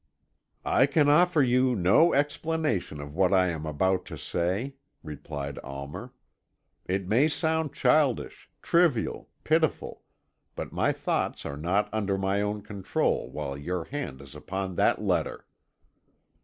"I can offer you no explanation of what I am about to say," replied Almer: "it may sound childish, trivial, pitiful, but my thoughts are not under my own control while your hand is upon that letter."